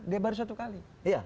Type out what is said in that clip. dia baru satu kali